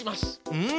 うん！